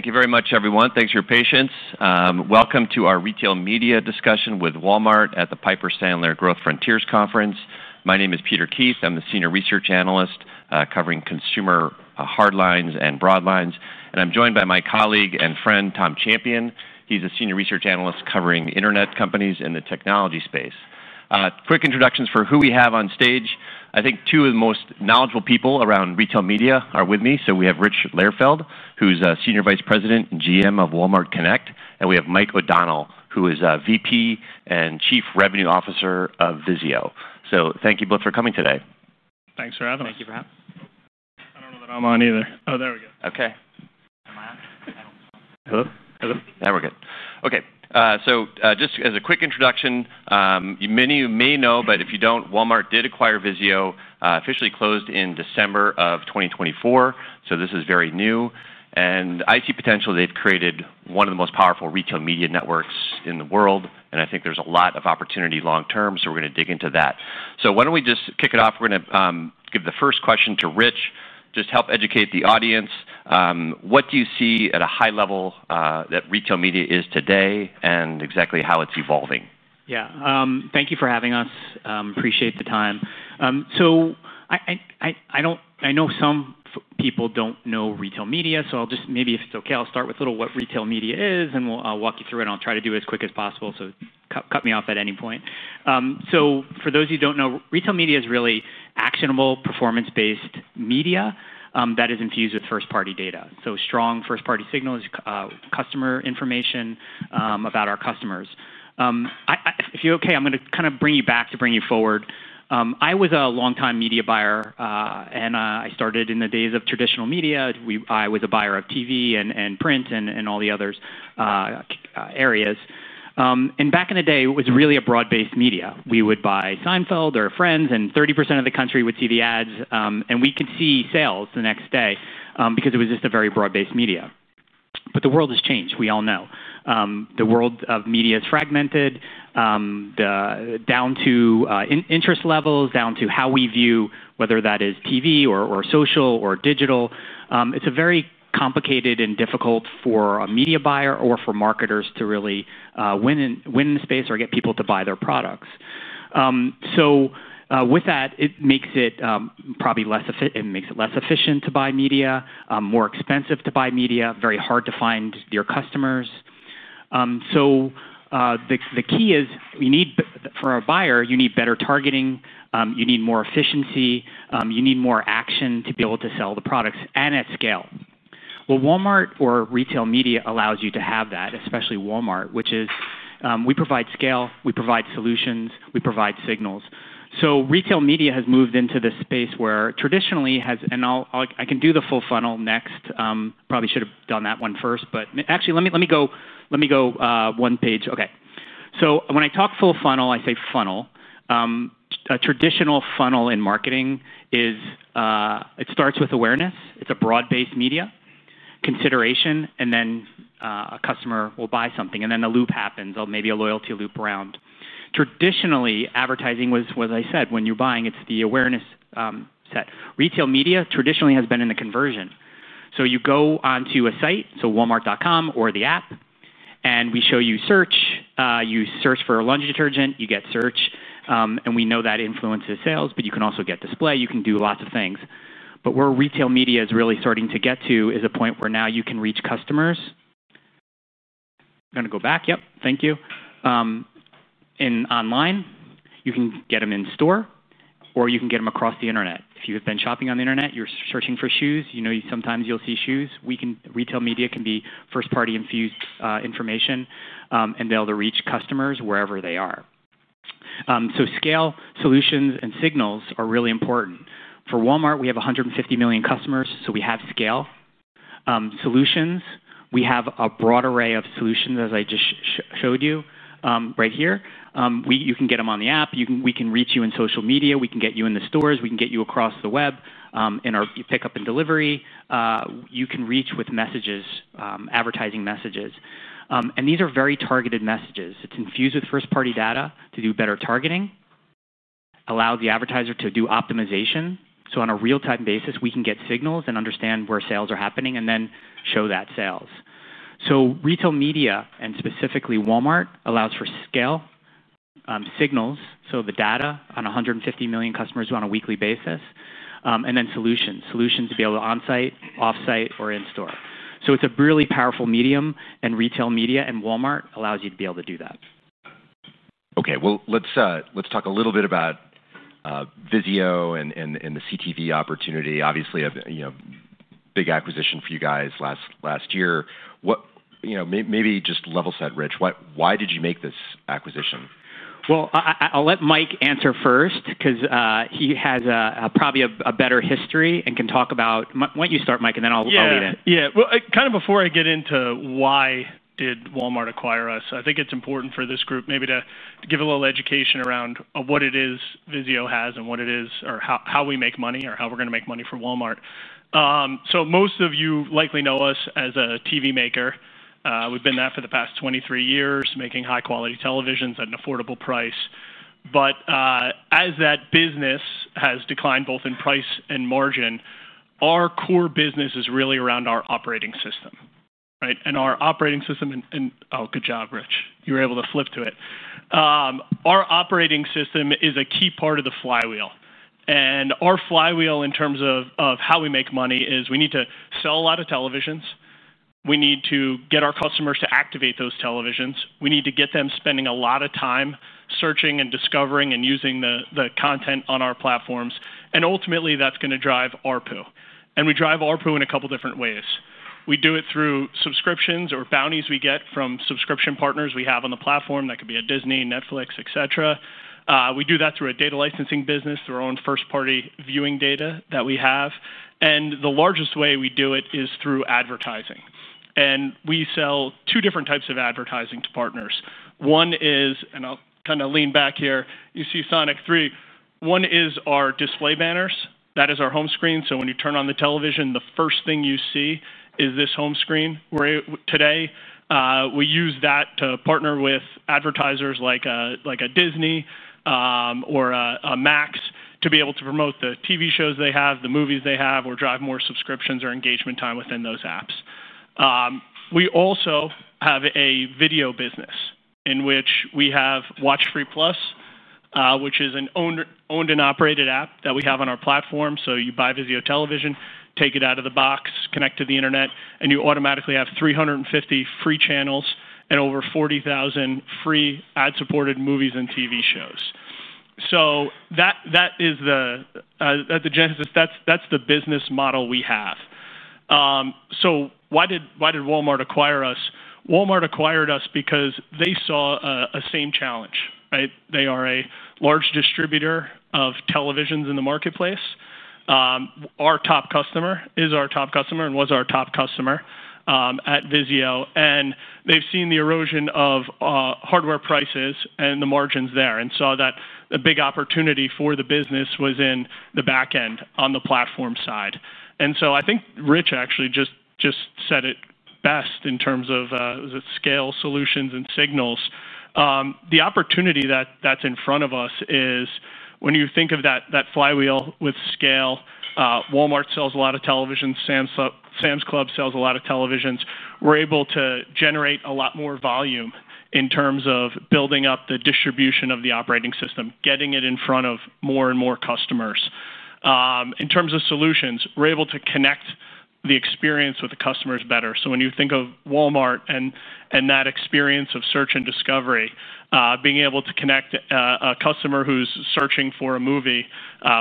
Thank you very much, everyone. Thanks for your patience. Welcome to our Retail Media Discussion with Walmart at the Piper Sandler Growth Frontiers Conference. My name is Peter Keith. I'm the Senior Research Analyst covering consumer hard lines and broad lines. I'm joined by my colleague and friend, Tom Champion. He's a Senior Research Analyst covering the internet companies in the technology space. Quick introductions for who we have on stage. I think two of the most knowledgeable people around retail media are with me. We have Rich Lehrfeld, who's a Senior Vice President and General Manager of Walmart Connect. We have Michael O'Donnell, who is a Vice President and Chief Revenue Officer of VIZIO. Thank you both for coming today. Thanks for having me. Thank you for having me. I don't know that I'm on either. Oh, there we go. OK. Am I on? Hello? Hello? Yeah, we're good. OK. Just as a quick introduction, many of you may know, but if you don't, Walmart did acquire VIZIO. Officially closed in December of 2024. This is very new. I see potential. They've created one of the most powerful retail media networks in the world. I think there's a lot of opportunity long term. We're going to dig into that. Why don't we just kick it off? We're going to give the first question to Rich. Just help educate the audience. What do you see at a high level that retail media is today and exactly how it's evolving? Yeah. Thank you for having us. Appreciate the time. I know some people don't know retail media. If it's OK, I'll start with a little what retail media is. I'll walk you through it. I'll try to do it as quick as possible. Cut me off at any point. For those who don't know, retail media is really actionable, performance-based media that is infused with first-party data. Strong first-party signals, customer information about our customers. If you OK, I'm going to kind of bring you back to bring you forward. I was a longtime media buyer. I started in the days of traditional media. I was a buyer of TV and print and all the other areas. Back in the day, it was really a broad-based media. We would buy Seinfeld or Friends, and 30% of the country would see the ads. We could see sales the next day because it was just a very broad-based media. The world has changed. We all know. The world of media is fragmented down to interest levels, down to how we view whether that is TV or social or digital. It's very complicated and difficult for a media buyer or for marketers to really win in the space or get people to buy their products. With that, it makes it probably less efficient and makes it less efficient to buy media, more expensive to buy media, very hard to find your customers. The key is, for our buyer, you need better targeting. You need more efficiency. You need more action to be able to sell the products and at scale. Walmart or retail media allows you to have that, especially Walmart, which is we provide scale. We provide solutions. We provide signals. Retail media has moved into this space where traditionally has. I can do the full funnel next. Probably should have done that one first. Actually, let me go one page. OK. When I talk full funnel, I say funnel. A traditional funnel in marketing starts with awareness. It's a broad-based media, consideration, and then a customer will buy something. The loop happens, maybe a loyalty loop around. Traditionally, advertising was, as I said, when you're buying, it's the awareness set. Retail media traditionally has been in the conversion. You go onto a site, so Walmart.com or the app, and we show you search. You search for a laundry detergent. You get search, and we know that influences sales. You can also get display. You can do lots of things. Where retail media is really starting to get to is a point where now you can reach customers. I'm going to go back. Thank you. Online, you can get them in store, or you can get them across the internet. If you've been shopping on the internet, you're searching for shoes, you know sometimes you'll see shoes. Retail media can be first-party infused information and be able to reach customers wherever they are. Scale, solutions, and signals are really important. For Walmart, we have 150 million customers, so we have scale. Solutions, we have a broad array of solutions, as I just showed you right here. You can get them on the app. We can reach you in social media. We can get you in the stores. We can get you across the web in our pickup and delivery. You can reach with messages, advertising messages, and these are very targeted messages. It's infused with first-party data to do better targeting, allows the advertiser to do optimization. On a real-time basis, we can get signals and understand where sales are happening and then show that sales. Retail media, and specifically Walmart, allows for scale, signals, so the data on 150 million customers on a weekly basis, and then solutions, solutions to be able to onsite, offsite, or in store. It's a really powerful medium. Retail media and Walmart allow you to be able to do that. OK. Let's talk a little bit about VIZIO and the CTV opportunity. Obviously, a big acquisition for you guys last year. Maybe just level set, Rich. Why did you make this acquisition? I'll let Mike answer first because he has probably a better history and can talk about why don't you start, Mike, and then I'll lead it. Yeah. Before I get into why did Walmart acquire us, I think it's important for this group maybe to give a little education around what it is VIZIO has and what it is or how we make money or how we're going to make money from Walmart. Most of you likely know us as a TV maker. We've been that for the past 23 years, making high-quality televisions at an affordable price. As that business has declined both in price and margin, our core business is really around our operating system. Our operating system—oh, good job, Rich. You were able to flip to it—our operating system is a key part of the flywheel. Our flywheel, in terms of how we make money, is we need to sell a lot of televisions. We need to get our customers to activate those televisions. We need to get them spending a lot of time searching and discovering and using the content on our platforms. Ultimately, that's going to drive ARPU. We drive ARPU in a couple of different ways. We do it through subscriptions or bounties we get from subscription partners we have on the platform. That could be a Disney, Netflix, et cetera. We do that through a data licensing business, through our own first-party viewing data that we have. The largest way we do it is through advertising. We sell two different types of advertising to partners. One is—I'll kind of lean back here. You see Sonic 3. One is our display banners. That is our home screen. When you turn on the television, the first thing you see is this home screen today. We use that to partner with advertisers like a Disney or a Max to be able to promote the TV shows they have, the movies they have, or drive more subscriptions or engagement time within those apps. We also have a video business in which we have WatchFree+, which is an owned and operated app that we have on our platform. You buy VIZIO television, take it out of the box, connect to the internet, and you automatically have 350 free channels and over 40,000 free ad-supported movies and TV shows. That's the business model we have. Why did Walmart acquire us? Walmart acquired us because they saw a same challenge. They are a large distributor of televisions in the marketplace. Our top customer is our top customer and was our top customer at VIZIO. They've seen the erosion of hardware prices and the margins there and saw that the big opportunity for the business was in the back end on the platform side. I think Rich actually just said it best in terms of scale, solutions, and signals. The opportunity that's in front of us is when you think of that flywheel with scale, Walmart sells a lot of televisions. Sam's Club sells a lot of televisions. We're able to generate a lot more volume in terms of building up the distribution of the operating system, getting it in front of more and more customers. In terms of solutions, we're able to connect the experience with the customers better. When you think of Walmart and that experience of search and discovery, being able to connect a customer who's searching for a movie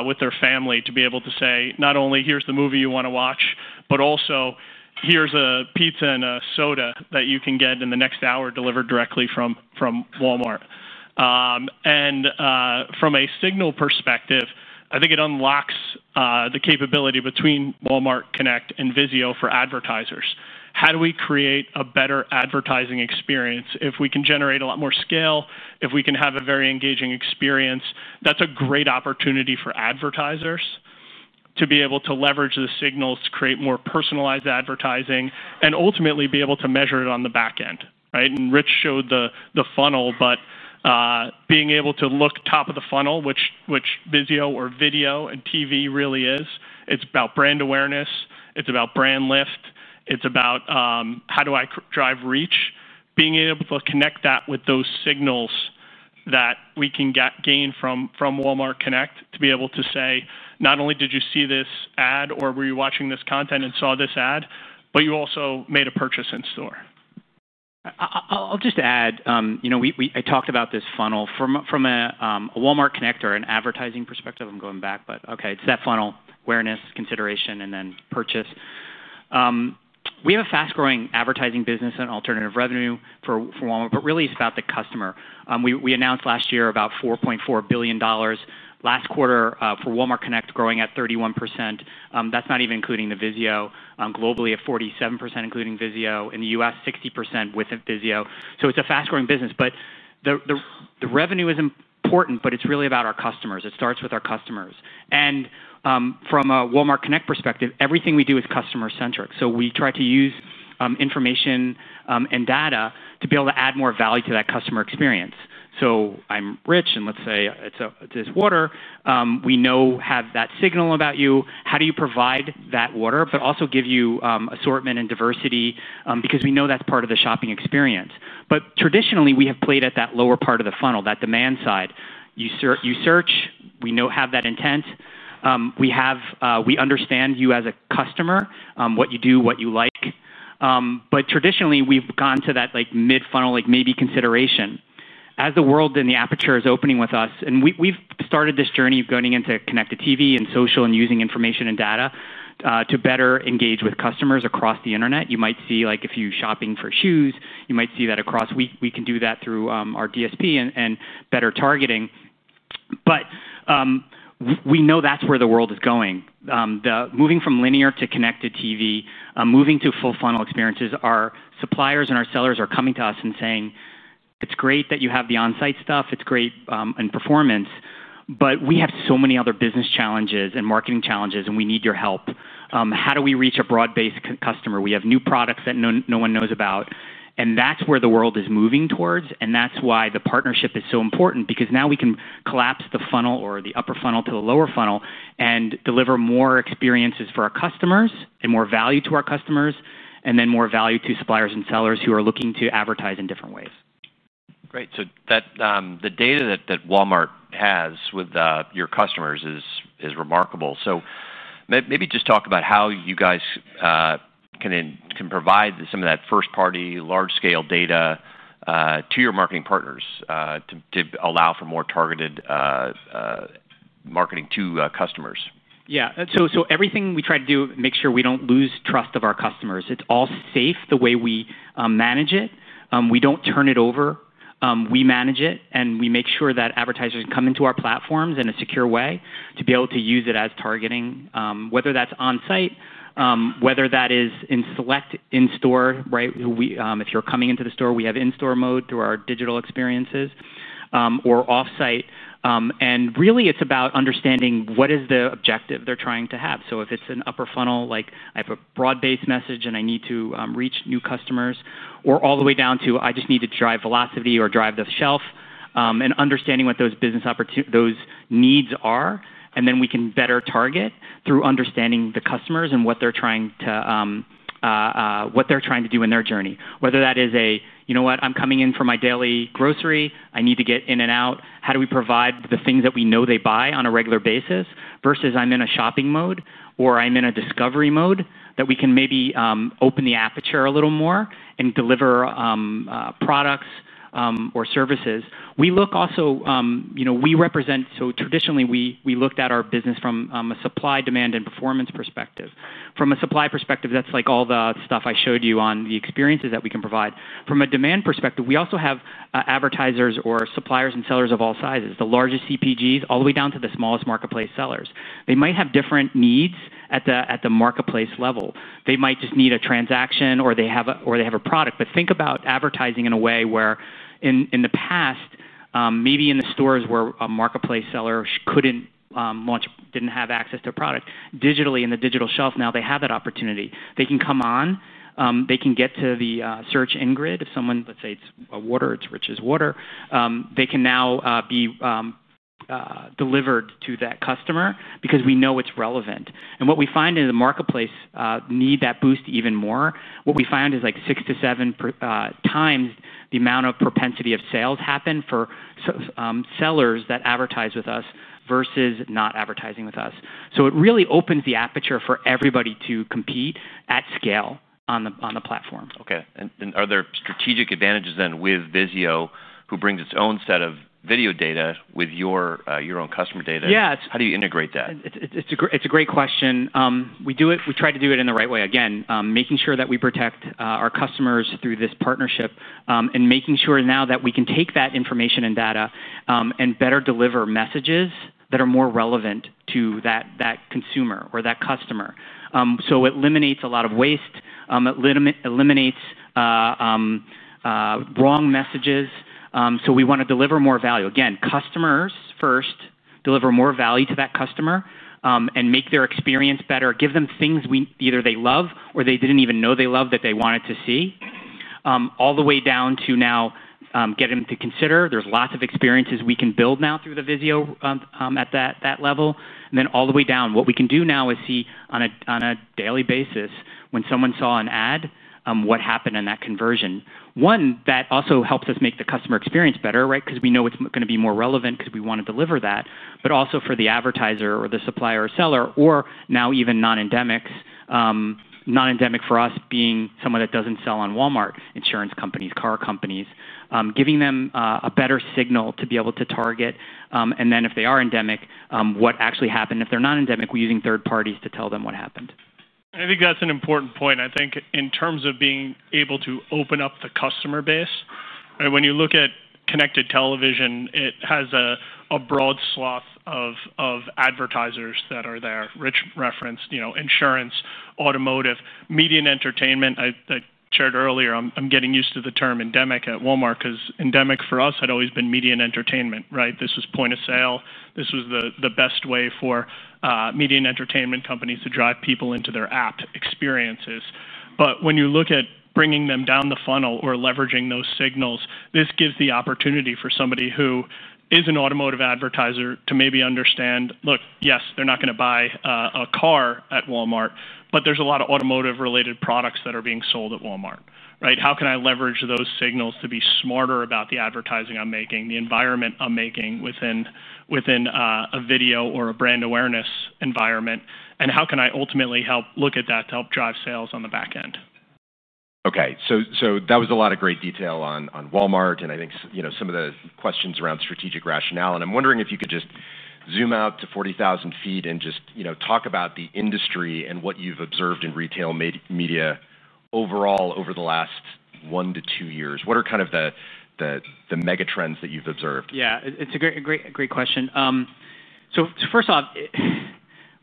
with their family to be able to say, not only here's the movie you want to watch, but also here's a pizza and a soda that you can get in the next hour delivered directly from Walmart. From a signal perspective, I think it unlocks the capability between Walmart Connect and VIZIO for advertisers. How do we create a better advertising experience? If we can generate a lot more scale, if we can have a very engaging experience, that's a great opportunity for advertisers to be able to leverage the signals, to create more personalized advertising, and ultimately be able to measure it on the back end. Rich showed the funnel. Being able to look top of the funnel, which VIZIO or video and TV really is, it's about brand awareness. It's about brand lift. It's about how do I drive reach. Being able to connect that with those signals that we can gain from Walmart Connect to be able to say, not only did you see this ad or were you watching this content and saw this ad, but you also made a purchase in store. I'll just add, I talked about this funnel. From a Walmart Connect or an advertising perspective, I'm going back. It's that funnel: awareness, consideration, and then purchase. We have a fast-growing advertising business and alternative revenue for Walmart. It's really about the customer. We announced last year about $4.4 billion last quarter for Walmart Connect, growing at 31%. That's not even including VIZIO. Globally, at 47%, including VIZIO. In the U.S., 60% with VIZIO. It's a fast-growing business. The revenue is important. It's really about our customers. It starts with our customers. From a Walmart Connect perspective, everything we do is customer-centric. We try to use information and data to be able to add more value to that customer experience. I'm Rich. Let's say it's this water. We now have that signal about you. How do you provide that water but also give you assortment and diversity? We know that's part of the shopping experience. Traditionally, we have played at that lower part of the funnel, that demand side. You search. We now have that intent. We understand you as a customer, what you do, what you like. Traditionally, we've gone to that mid-funnel, maybe consideration. As the world and the aperture is opening with us, we've started this journey of going into connected TV and social and using information and data to better engage with customers across the internet. You might see, if you're shopping for shoes, you might see that across. We can do that through our DSP and better targeting. We know that's where the world is going. Moving from linear to connected TV, moving to full-funnel experiences, our suppliers and our sellers are coming to us and saying it's great that you have the onsite stuff. It's great in performance. We have so many other business challenges and marketing challenges, and we need your help. How do we reach a broad-based customer? We have new products that no one knows about. That's where the world is moving towards. That's why the partnership is so important because now we can collapse the funnel or the upper funnel to the lower funnel and deliver more experiences for our customers and more value to our customers, and then more value to suppliers and sellers who are looking to advertise in different ways. Great. The data that Walmart has with your customers is remarkable. Maybe just talk about how you guys can provide some of that first-party large-scale data to your marketing partners to allow for more targeted marketing to customers. Yeah. Everything we try to do makes sure we don't lose trust of our customers. It's all safe the way we manage it. We don't turn it over. We manage it, and we make sure that advertisers come into our platforms in a secure way to be able to use it as targeting, whether that's onsite, whether that is in select in-store. If you're coming into the store, we have in-store mode through our digital experiences or offsite. It's about understanding what is the objective they're trying to have. If it's an upper funnel, like I have a broad-based message and I need to reach new customers, or all the way down to I just need to drive velocity or drive the shelf and understanding what those needs are, then we can better target through understanding the customers and what they're trying to do in their journey, whether that is a, you know what, I'm coming in for my daily grocery. I need to get in and out. How do we provide the things that we know they buy on a regular basis versus I'm in a shopping mode or I'm in a discovery mode that we can maybe open the aperture a little more and deliver products or services? We look also, we represent. Traditionally, we looked at our business from a supply, demand, and performance perspective. From a supply perspective, that's like all the stuff I showed you on the experiences that we can provide. From a demand perspective, we also have advertisers or suppliers and sellers of all sizes, the largest CPGs all the way down to the smallest marketplace sellers. They might have different needs at the marketplace level. They might just need a transaction or they have a product. Think about advertising in a way where in the past, maybe in the stores where a marketplace seller didn't have access to a product, digitally in the digital shelf, now they have that opportunity. They can come on. They can get to the search in-grid. If someone, let's say it's water, it's Rich's water, they can now be delivered to that customer because we know it's relevant. What we find in the marketplace needs that boost even more. What we find is like six to seven times the amount of propensity of sales happen for sellers that advertise with us versus not advertising with us. It really opens the aperture for everybody to compete at scale on the platform. OK. Are there strategic advantages then with VIZIO, who brings its own set of video data with your own customer data? Yes. How do you integrate that? It's a great question. We try to do it in the right way, again making sure that we protect our customers through this partnership and making sure now that we can take that information and data and better deliver messages that are more relevant to that consumer or that customer. It eliminates a lot of waste. It eliminates wrong messages. We want to deliver more value. Again, customers first, deliver more value to that customer and make their experience better, give them things either they love or they didn't even know they loved that they wanted to see, all the way down to now getting them to consider. There are lots of experiences we can build now through the VIZIO at that level. All the way down, what we can do now is see on a daily basis when someone saw an ad, what happened in that conversion. That also helps us make the customer experience better because we know it's going to be more relevant because we want to deliver that, but also for the advertiser or the supplier or seller or now even non-endemics, non-endemic for us being someone that doesn't sell on Walmart, insurance companies, car companies, giving them a better signal to be able to target. If they are endemic, what actually happened? If they're non-endemic, we're using third parties to tell them what happened. I think that's an important point. I think in terms of being able to open up the customer base, when you look at connected TV, it has a broad swath of advertisers that are there. Rich referenced insurance, automotive, media and entertainment. I shared earlier, I'm getting used to the term endemic at Walmart because endemic for us had always been media and entertainment. This was point of sale. This was the best way for media and entertainment companies to drive people into their app experiences. When you look at bringing them down the funnel or leveraging those signals, this gives the opportunity for somebody who is an automotive advertiser to maybe understand, look, yes, they're not going to buy a car at Walmart. There's a lot of automotive-related products that are being sold at Walmart. How can I leverage those signals to be smarter about the advertising I'm making, the environment I'm making within a video or a brand awareness environment? How can I ultimately help look at that to help drive sales on the back end? OK. That was a lot of great detail on Walmart, and I think some of the questions around strategic rationale. I'm wondering if you could just zoom out to 40,000 ft and just talk about the industry and what you've observed in retail media overall over the last one to two years. What are kind of the mega trends that you've observed? Yeah. It's a great question. First off,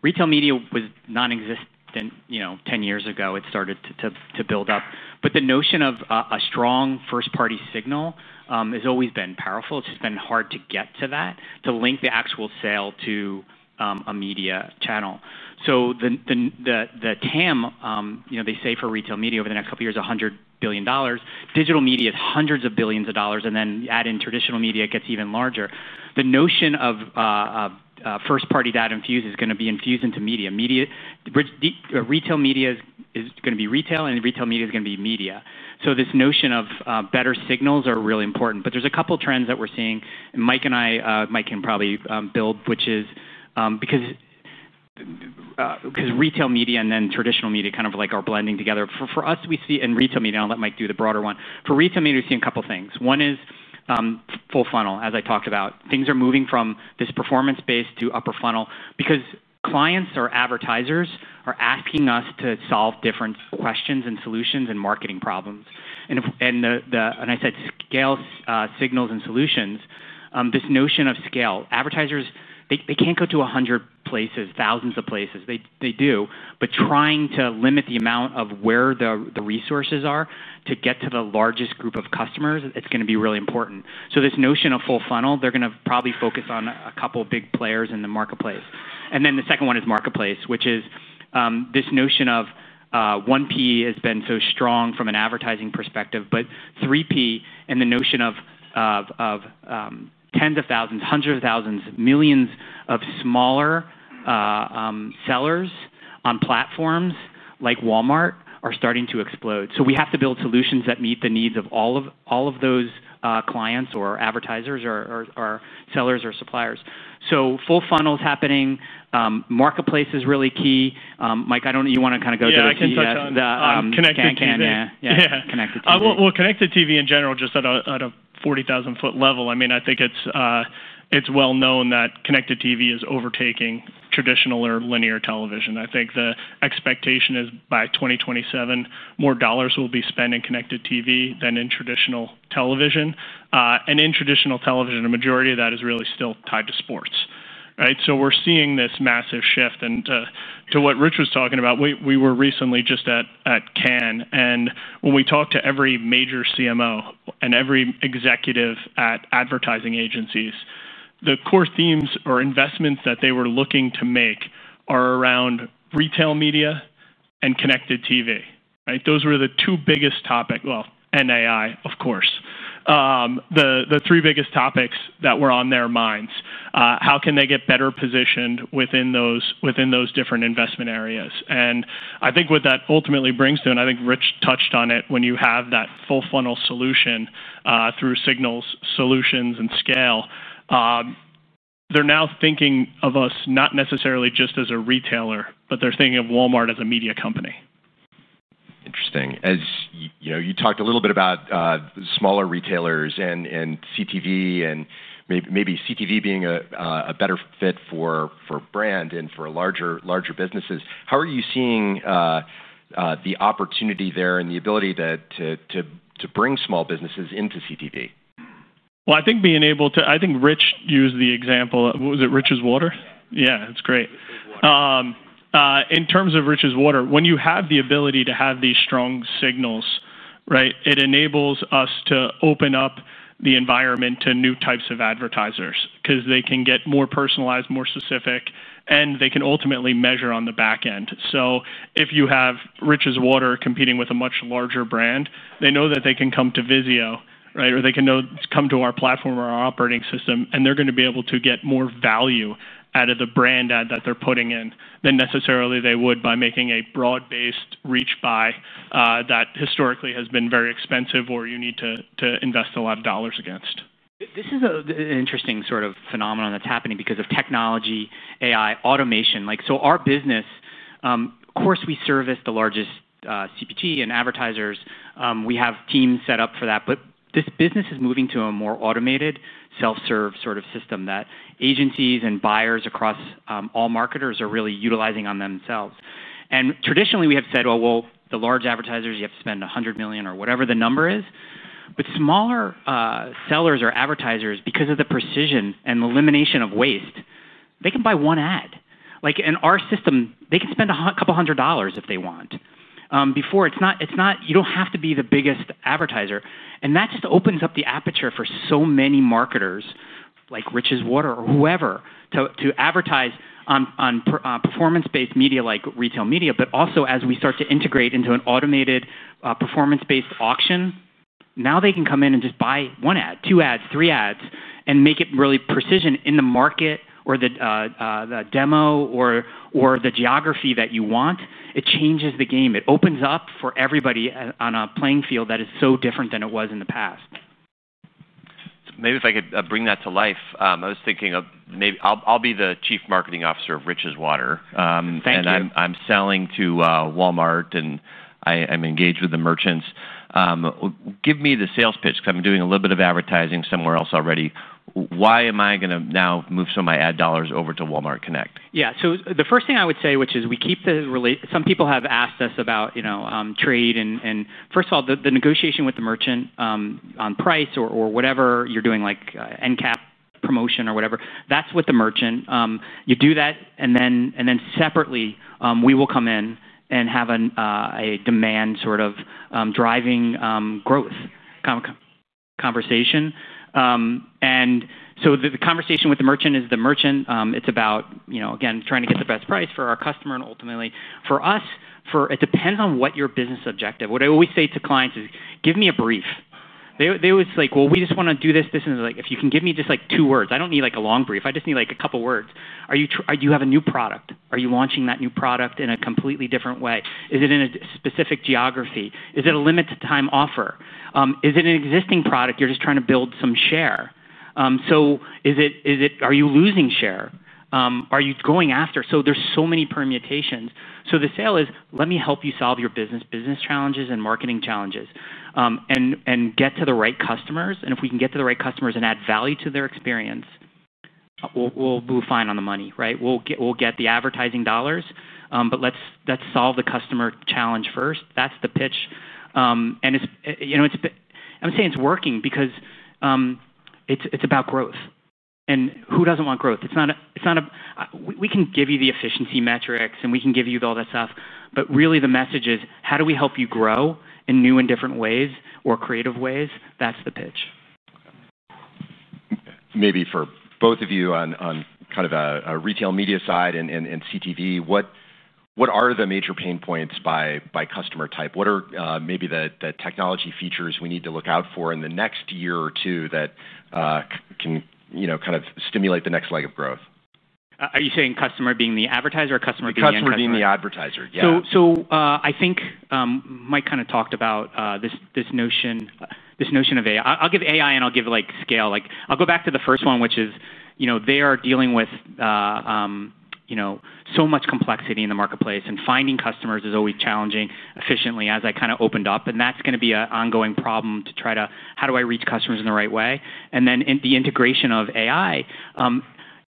retail media was nonexistent 10 years ago. It started to build up. The notion of a strong first-party signal has always been powerful. It's just been hard to get to that, to link the actual sale to a media channel. The TAM, they say for retail media over the next couple of years, is $100 billion. Digital media is hundreds of billions of dollars. Add in traditional media, it gets even larger. The notion of first-party data is going to be infused into media. Retail media is going to be retail, and retail media is going to be media. This notion of better signals is really important. There are a couple of trends that we're seeing, and Mike and I can probably build, which is because retail media and then traditional media are kind of blending together. For us, we see in retail media, and I'll let Mike do the broader one. For retail media, we see a couple of things. One is full funnel, as I talked about. Things are moving from this performance base to upper funnel because clients or advertisers are asking us to solve different questions and solutions and marketing problems. I said scale, signals, and solutions. This notion of scale, advertisers, they can't go to 100 places, thousands of places. They do, but trying to limit the amount of where the resources are to get to the largest group of customers is going to be really important. This notion of full funnel, they're going to probably focus on a couple of big players in the marketplace. The second one is marketplace, which is this notion of 1P has been so strong from an advertising perspective, but 3P and the notion of tens of thousands, hundreds of thousands, millions of smaller sellers on platforms like Walmart are starting to explode. We have to build solutions that meet the needs of all of those clients or advertisers or sellers or suppliers. Full funnel is happening. Marketplace is really key. Mike, I don't know if you want to kind of go to the TV. I can touch on connected TV. Connected TV. Connected TV in general, just at a 40,000-ft level, I mean, I think it's well known that connected TV is overtaking traditional or linear television. I think the expectation is by 2027, more dollars will be spent in connected TV than in traditional television. In traditional television, a majority of that is really still tied to sports. We're seeing this massive shift. To what Rich was talking about, we were recently just at Cannes. When we talked to every major CMO and every executive at advertising agencies, the core themes or investments that they were looking to make are around retail media and connected TV. Those were the two biggest topics, well, and AI, of course, the three biggest topics that were on their minds. How can they get better positioned within those different investment areas? I think what that ultimately brings to, and I think Rich touched on it, when you have that full-funnel solution through signals, solutions, and scale, they're now thinking of us not necessarily just as a retailer, but they're thinking of Walmart as a media company. Interesting. As you talked a little bit about smaller retailers and CTV, and maybe CTV being a better fit for brand and for larger businesses, how are you seeing the opportunity there and the ability to bring small businesses into CTV? I think being able to, I think Rich used the example, what was it, Rich's Water? Yeah, that's great. In terms of Rich's Water, when you have the ability to have these strong signals, it enables us to open up the environment to new types of advertisers because they can get more personalized, more specific. They can ultimately measure on the back end. If you have Rich's Water competing with a much larger brand, they know that they can come to VIZIO or they can come to our platform or our operating system. They're going to be able to get more value out of the brand ad that they're putting in than necessarily they would by making a broad-based reach buy that historically has been very expensive or you need to invest a lot of dollars against. This is an interesting sort of phenomenon that's happening because of technology, AI, automation. Our business, of course, we service the largest CPG and advertisers. We have teams set up for that. This business is moving to a more automated self-serve sort of system that agencies and buyers across all marketers are really utilizing on themselves. Traditionally, we have said, the large advertisers, you have to spend $100 million or whatever the number is. Smaller sellers or advertisers, because of the precision and elimination of waste, they can buy one ad. In our system, they can spend a couple hundred dollars if they want. You don't have to be the biggest advertiser. That just opens up the aperture for so many marketers like Rich's Water or whoever to advertise on performance-based media like retail media. As we start to integrate into an automated performance-based auction, now they can come in and just buy one ad, two ads, three ads, and make it really precision in the market or the demo or the geography that you want. It changes the game. It opens up for everybody on a playing field that is so different than it was in the past. Maybe if I could bring that to life, I was thinking of maybe I'll be the Chief Marketing Officer of Rich's Water. Thank you. I'm selling to Walmart. I'm engaged with the merchants. Give me the sales pitch because I'm doing a little bit of advertising somewhere else already. Why am I going to now move some of my ad dollars over to Walmart Connect? Yeah. The first thing I would say, which is we keep the relationship, some people have asked us about trade. First of all, the negotiation with the merchant on price or whatever you're doing, like NCAP promotion or whatever, that's with the merchant. You do that. Separately, we will come in and have a demand sort of driving growth conversation. The conversation with the merchant is the merchant. It's about, again, trying to get the best price for our customer. Ultimately, for us, it depends on what your business objective is. What I always say to clients is, give me a brief. They always say, well, we just want to do this, this. I'm like, if you can give me just like two words, I don't need like a long brief. I just need like a couple words. Do you have a new product? Are you launching that new product in a completely different way? Is it in a specific geography? Is it a limited-time offer? Is it an existing product you're just trying to build some share? Are you losing share? Are you going after? There are so many permutations. The sale is, let me help you solve your business challenges and marketing challenges and get to the right customers. If we can get to the right customers and add value to their experience, we'll do fine on the money. We'll get the advertising dollars. Let's solve the customer challenge first. That's the pitch. I'm saying it's working because it's about growth. Who doesn't want growth? We can give you the efficiency metrics. We can give you all that stuff. Really, the message is, how do we help you grow in new and different ways or creative ways? That's the pitch. Maybe for both of you on kind of a retail media side and CTV, what are the major pain points by customer type? What are maybe the technology features we need to look out for in the next year or two that can kind of stimulate the next leg of growth? Are you saying customer being the advertiser or customer being the advertiser? Customer being the advertiser, yeah. I think Mike kind of talked about this notion of AI. I'll give AI and I'll give scale. I'll go back to the first one, which is they are dealing with so much complexity in the marketplace. Finding customers is always challenging efficiently as I kind of opened up. That's going to be an ongoing problem to try to figure out how do I reach customers in the right way. The integration of AI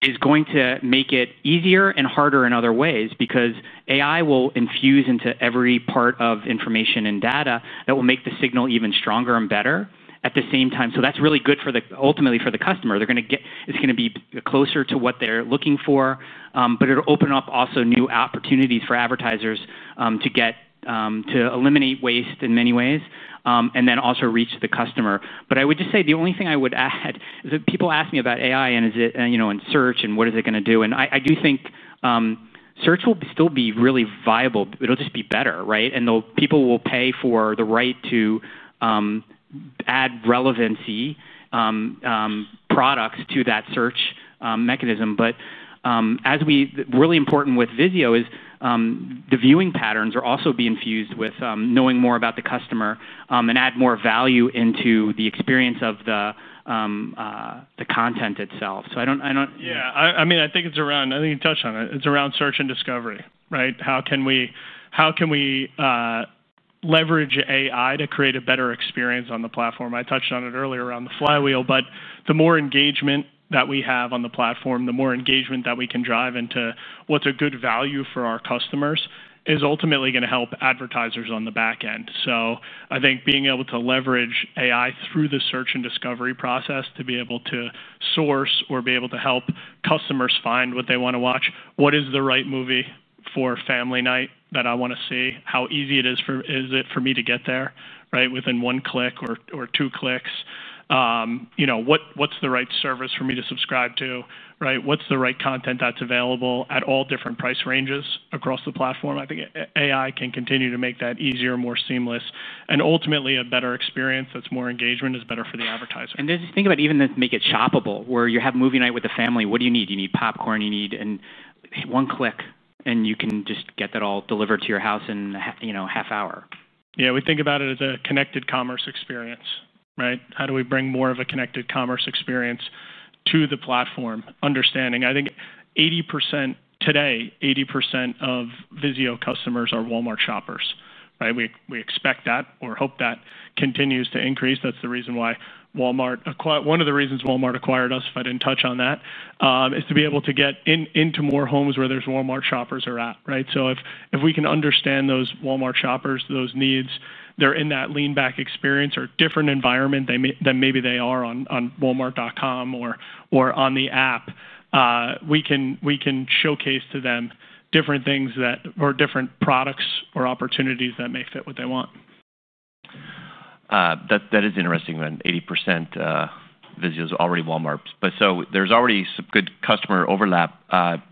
is going to make it easier and harder in other ways because AI will infuse into every part of information and data that will make the signal even stronger and better at the same time. That's really good for the customer. It's going to be closer to what they're looking for. It'll open up also new opportunities for advertisers to eliminate waste in many ways and also reach the customer. I would just say the only thing I would add is that people ask me about AI and search and what is it going to do. I do think search will still be really viable. It'll just be better. People will pay for the right to add relevancy products to that search mechanism. What is really important with VIZIO is the viewing patterns are also being infused with knowing more about the customer and add more value into the experience of the content itself. Yeah, I mean, I think it's around, I think you touched on it. It's around search and discovery. How can we leverage AI to create a better experience on the platform? I touched on it earlier around the flywheel. The more engagement that we have on the platform, the more engagement that we can drive into what's a good value for our customers is ultimately going to help advertisers on the back end. I think being able to leverage AI through the search and discovery process to be able to source or be able to help customers find what they want to watch, what is the right movie for family night that I want to see, how easy is it for me to get there within one click or two clicks, what's the right service for me to subscribe to, what's the right content that's available at all different price ranges across the platform? I think AI can continue to make that easier, more seamless, and ultimately a better experience that's more engagement is better for the advertiser. Just think about even make it shoppable where you have movie night with the family. What do you need? You need popcorn. You need one click, and you can just get that all delivered to your house in a half hour. Yeah. We think about it as a connected commerce experience. How do we bring more of a connected commerce experience to the platform? Understanding, I think 80% today, 80% of VIZIO customers are Walmart shoppers. We expect that or hope that continues to increase. That's the reason why Walmart, one of the reasons Walmart acquired us, if I didn't touch on that, is to be able to get into more homes where those Walmart shoppers are at. If we can understand those Walmart shoppers, those needs, they're in that lean-back experience or different environment than maybe they are on Walmart.com or on the app, we can showcase to them different things or different products or opportunities that may fit what they want. That is interesting. 80% VIZIO is already Walmart, so there's already some good customer overlap.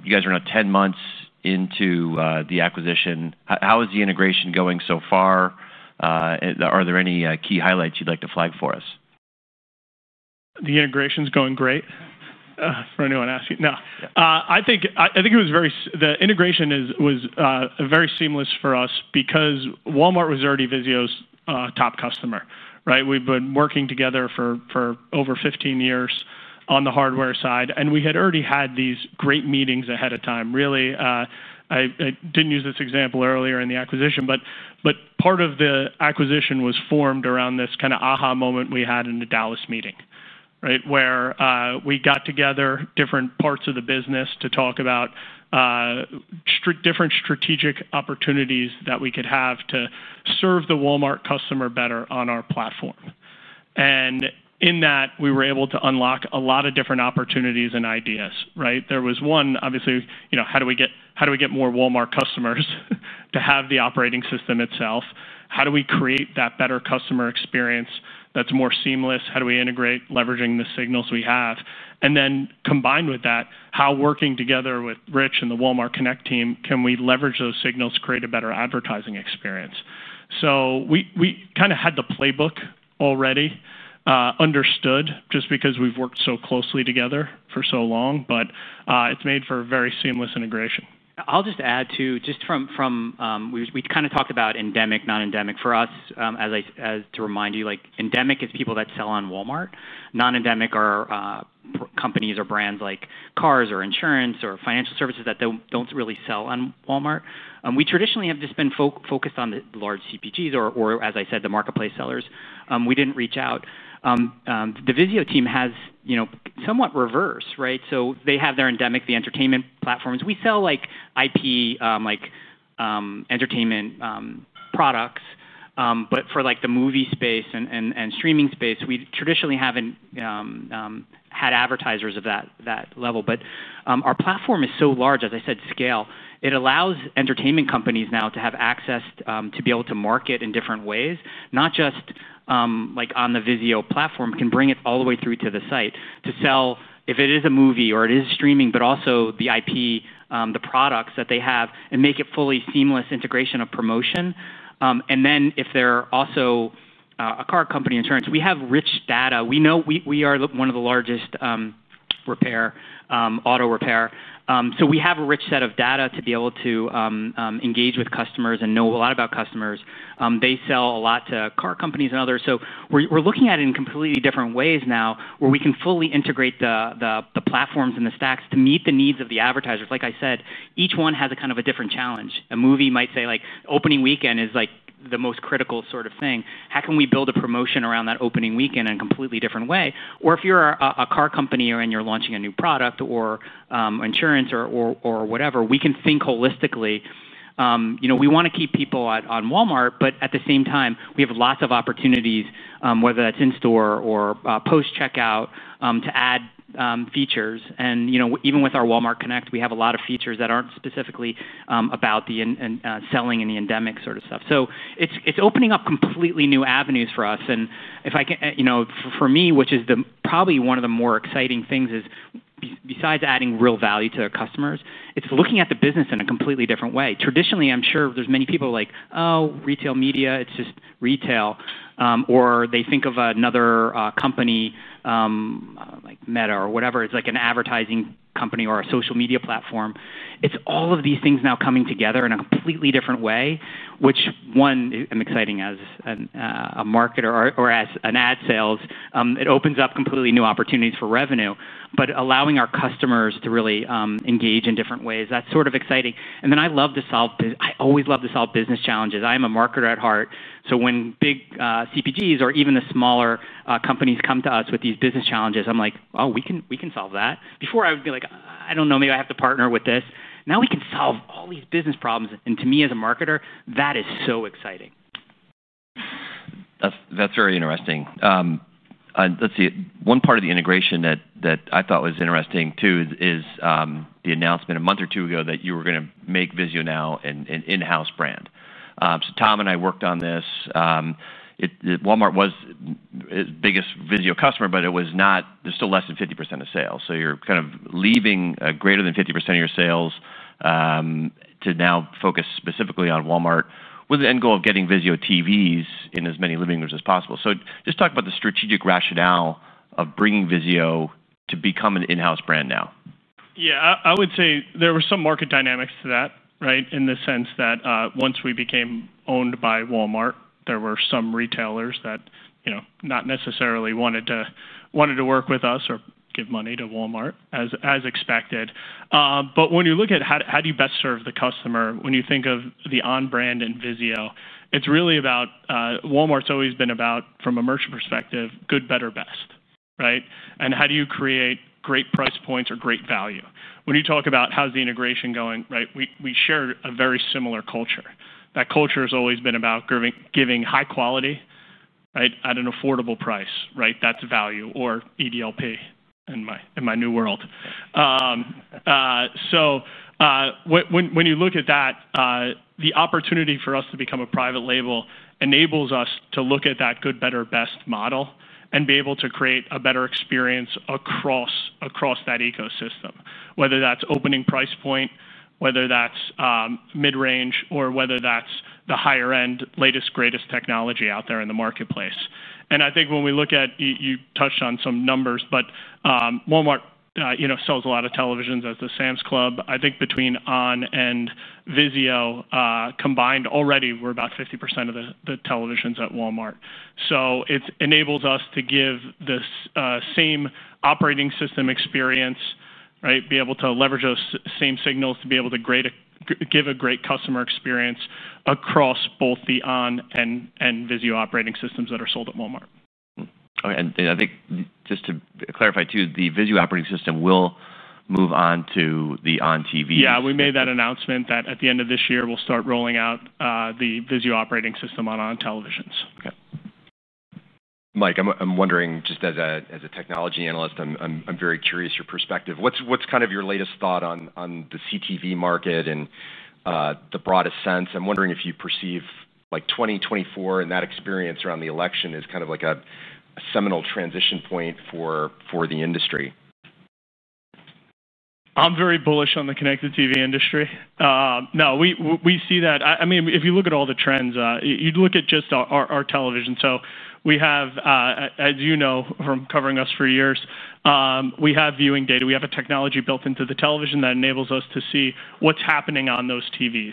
You guys are now 10 months into the acquisition. How is the integration going so far? Are there any key highlights you'd like to flag for us? The integration is going great for anyone asking. I think it was very, the integration was very seamless for us because Walmart was already VIZIO's top customer. We've been working together for over 15 years on the hardware side, and we had already had these great meetings ahead of time. Really, I didn't use this example earlier in the acquisition, but part of the acquisition was formed around this kind of aha moment we had in the Dallas meeting where we got together different parts of the business to talk about different strategic opportunities that we could have to serve the Walmart customer better on our platform. In that, we were able to unlock a lot of different opportunities and ideas. There was one, obviously, how do we get more Walmart customers to have the operating system itself? How do we create that better customer experience that's more seamless? How do we integrate leveraging the signals we have? Combined with that, how working together with Rich and the Walmart Connect team, can we leverage those signals to create a better advertising experience? We kind of had the playbook already understood just because we've worked so closely together for so long. It's made for a very seamless integration. I'll just add too, just from we kind of talked about endemic, non-endemic for us. As to remind you, endemic is people that sell on Walmart. Non-endemic are companies or brands like cars or insurance or financial services that don't really sell on Walmart. We traditionally have just been focused on the large CPGs or, as I said, the marketplace sellers. We didn't reach out. The VIZIO team has somewhat reversed. They have their endemic, the entertainment platforms. We sell like IP, like entertainment products. For the movie space and streaming space, we traditionally haven't had advertisers of that level. Our platform is so large, as I said, scale. It allows entertainment companies now to have access to be able to market in different ways, not just like on the VIZIO platform. It can bring it all the way through to the site to sell if it is a movie or it is streaming, but also the IP, the products that they have and make it fully seamless integration of promotion. If they're also a car company, insurance, we have rich data. We are one of the largest auto repair. We have a rich set of data to be able to engage with customers and know a lot about customers. They sell a lot to car companies and others. We are looking at it in completely different ways now where we can fully integrate the platforms and the stacks to meet the needs of the advertisers. Each one has a kind of a different challenge. A movie might say, like opening weekend is like the most critical sort of thing. How can we build a promotion around that opening weekend in a completely different way? If you're a car company and you're launching a new product or insurance or whatever, we can think holistically. We want to keep people on Walmart. At the same time, we have lots of opportunities, whether that's in-store or post-checkout, to add features. Even with our Walmart Connect, we have a lot of features that aren't specifically about the selling and the endemic sort of stuff. It's opening up completely new avenues for us. For me, which is probably one of the more exciting things, is besides adding real value to customers, it's looking at the business in a completely different way. Traditionally, I'm sure there's many people like, oh, retail media, it's just retail. They think of another company like Meta or whatever. It's like an advertising company or a social media platform. It's all of these things now coming together in a completely different way, which, one, I'm excited as a marketer or as an ad sales. It opens up completely new opportunities for revenue, allowing our customers to really engage in different ways. That's sort of exciting. I love to solve, I always love to solve business challenges. I am a marketer at heart. When big CPGs or even the smaller companies come to us with these business challenges, I'm like, oh, we can solve that. Before, I would be like, I don't know, maybe I have to partner with this. Now we can solve all these business problems. To me, as a marketer, that is so exciting. That's very interesting. Let's see. One part of the integration that I thought was interesting too is the announcement a month or two ago that you were going to make VIZIO now an in-house brand. Tom and I worked on this. Walmart was the biggest VIZIO customer, but it was not, there's still less than 50% of sales. You're kind of leaving greater than 50% of your sales to now focus specifically on Walmart with the end goal of getting VIZIO TVs in as many living rooms as possible. Just talk about the strategic rationale of bringing VIZIO to become an in-house brand now. Yeah. I would say there were some market dynamics to that in the sense that once we became owned by Walmart, there were some retailers that not necessarily wanted to work with us or give money to Walmart as expected. When you look at how do you best serve the customer, when you think of the On brand and VIZIO, it's really about Walmart's always been about, from a merchant perspective, good, better, best. How do you create great price points or great value? When you talk about how's the integration going, we share a very similar culture. That culture has always been about giving high quality at an affordable price. That's value or EDLP in my new world. When you look at that, the opportunity for us to become a private label enables us to look at that good, better, best model and be able to create a better experience across that ecosystem, whether that's opening price point, whether that's mid-range, or whether that's the higher-end, latest, greatest technology out there in the marketplace. I think when we look at, you touched on some numbers, but Walmart sells a lot of televisions at Sam's Club. I think between Onn and VIZIO combined already, we're about 50% of the televisions at Walmart. It enables us to give this same operating system experience, be able to leverage those same signals to be able to give a great customer experience across both the Onn and VIZIO operating systems that are sold at Walmart. OK. I think just to clarify too, the VIZIO operating system will move on to the Onn TVs. Yeah. We made that announcement that at the end of this year, we'll start rolling out the VIZIO operating system on Onn TVs. OK. Mike, I'm wondering, just as a technology analyst, I'm very curious your perspective. What's kind of your latest thought on the CTV market in the broadest sense? I'm wondering if you perceive like 2024 and that experience around the election as kind of like a seminal transition point for the industry. I'm very bullish on the connected TV industry. We see that. If you look at all the trends, you look at just our television. We have, as you know from covering us for years, viewing data. We have a technology built into the television that enables us to see what's happening on those TVs.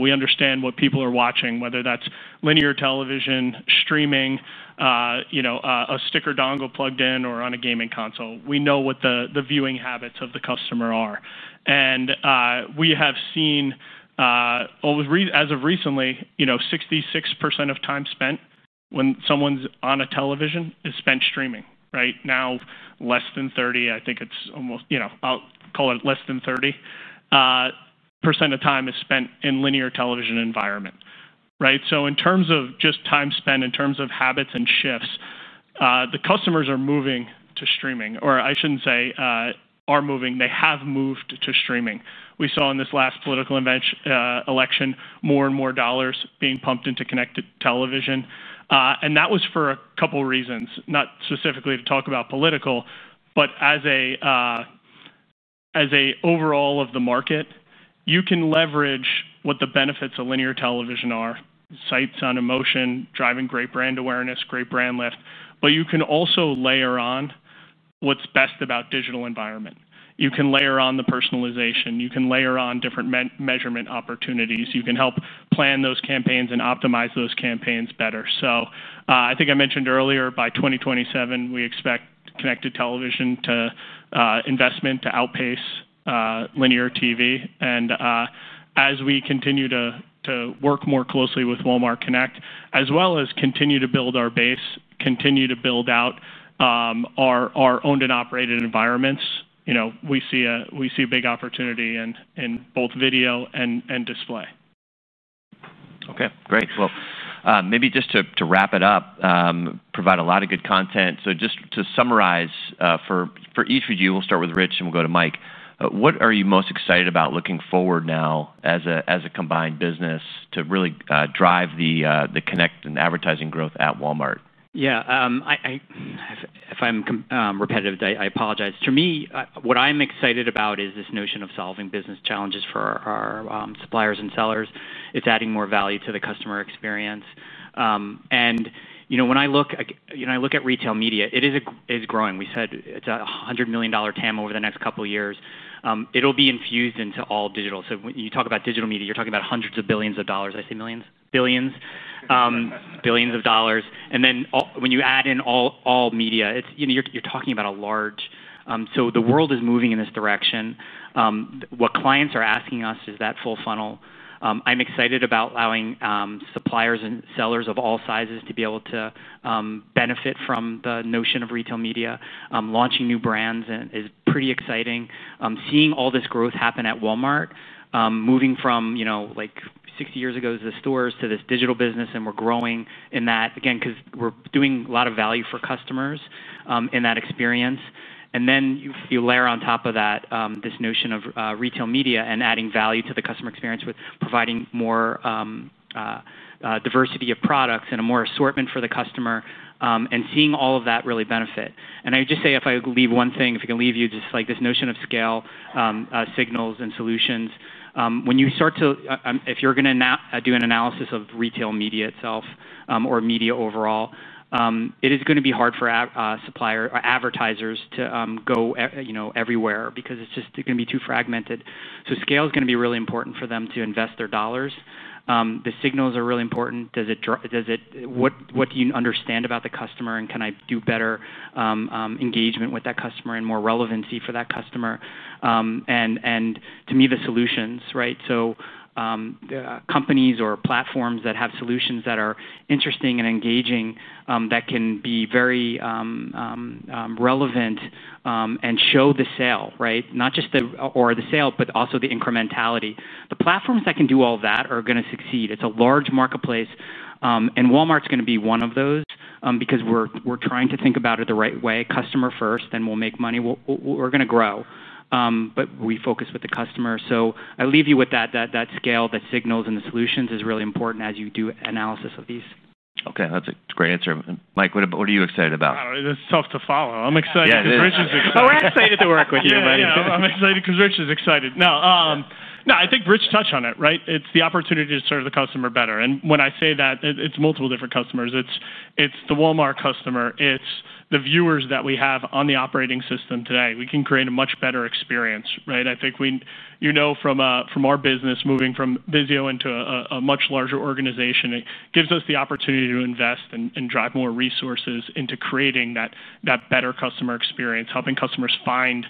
We understand what people are watching, whether that's linear television, streaming, a stick or dongle plugged in, or on a gaming console. We know what the viewing habits of the customer are. We have seen, as of recently, 66% of time spent when someone's on a television is spent streaming. Now less than 30%, I think it's almost, I'll call it less than 30% of time is spent in a linear television environment. In terms of just time spent, in terms of habits and shifts, the customers are moving to streaming. Or I shouldn't say are moving. They have moved to streaming. We saw in this last political election more and more dollars being pumped into connected television. That was for a couple of reasons, not specifically to talk about political. As an overall of the market, you can leverage what the benefits of linear television are, sights on emotion, driving great brand awareness, great brand lift. You can also layer on what's best about a digital environment. You can layer on the personalization. You can layer on different measurement opportunities. You can help plan those campaigns and optimize those campaigns better. I think I mentioned earlier, by 2027, we expect connected television investment to outpace linear TV. As we continue to work more closely with Walmart Connect, as well as continue to build our base, continue to build out our owned and operated environments, we see a big opportunity in both video and display. OK. Great. Maybe just to wrap it up, provide a lot of good content. Just to summarize for each of you, we'll start with Rich and we'll go to Mike. What are you most excited about looking forward now as a combined business to really drive the connect and advertising growth at Walmart? Yeah. If I'm repetitive, I apologize. To me, what I'm excited about is this notion of solving business challenges for our suppliers and sellers. It's adding more value to the customer experience. When I look at retail media, it is growing. We said it's a $100 billion total addressable market over the next couple of years. It'll be infused into all digital. When you talk about digital media, you're talking about hundreds of billions of dollars. I say millions, billions, billions of dollars. When you add in all media, you're talking about a large, so the world is moving in this direction. What clients are asking us is that full-funnel. I'm excited about allowing suppliers and sellers of all sizes to be able to benefit from the notion of retail media. Launching new brands is pretty exciting. Seeing all this growth happen at Walmart, moving from like 60 years ago to the stores to this digital business. We're growing in that, again, because we're doing a lot of value for customers in that experience. You layer on top of that this notion of retail media and adding value to the customer experience with providing more diversity of products and a more assortment for the customer and seeing all of that really benefit. I would just say if I leave one thing, if I can leave you just like this notion of scale, signals, and solutions. If you're going to do an analysis of retail media itself or media overall, it is going to be hard for suppliers or advertisers to go everywhere because it's just going to be too fragmented. Scale is going to be really important for them to invest their dollars. The signals are really important. What do you understand about the customer? Can I do better engagement with that customer and more relevancy for that customer? To me, the solutions, so companies or platforms that have solutions that are interesting and engaging that can be very relevant and show the sale, not just the sale, but also the incrementality. The platforms that can do all that are going to succeed. It's a large marketplace. Walmart's going to be one of those because we're trying to think about it the right way, customer first. We'll make money. We're going to grow. We focus with the customer. I'll leave you with that, that scale, that signals, and the solutions is really important as you do analysis of these. OK. That's a great answer. Mike, what are you excited about? It's tough to follow. I'm excited because Rich is excited. We're excited to work with you, buddy. I'm excited because Rich is excited. I think Rich touched on it. It's the opportunity to serve the customer better. When I say that, it's multiple different customers. It's the Walmart customer. It's the viewers that we have on the operating system today. We can create a much better experience. I think you know from our business moving from VIZIO into a much larger organization, it gives us the opportunity to invest and drive more resources into creating that better customer experience, helping customers find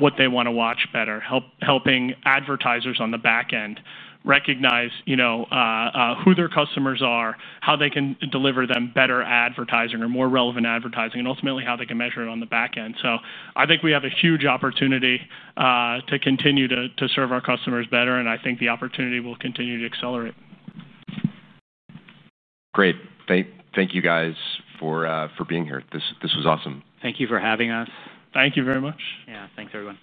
what they want to watch better, helping advertisers on the back end recognize who their customers are, how they can deliver them better advertising or more relevant advertising, and ultimately how they can measure it on the back end. I think we have a huge opportunity to continue to serve our customers better. I think the opportunity will continue to accelerate. Great. Thank you guys for being here. This was awesome. Thank you for having us. Thank you very much. Yeah, thanks, everyone.